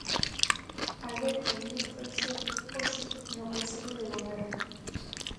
Alberto Núñez Feixóo, hoxe, no Consello de Goberno.